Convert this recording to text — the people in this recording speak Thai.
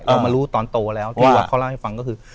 เรามารู้ตอนโตแล้วที่ว่าเขาเล่าให้ฟังก็คือ